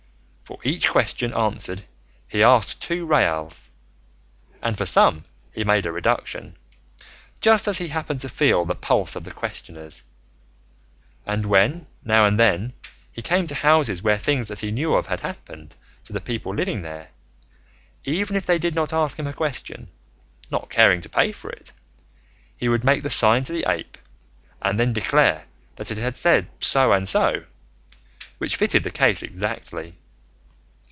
For each question answered he asked two reals, and for some he made a reduction, just as he happened to feel the pulse of the questioners; and when now and then he came to houses where things that he knew of had happened to the people living there, even if they did not ask him a question, not caring to pay for it, he would make the sign to the ape and then declare that it had said so and so, which fitted the case exactly.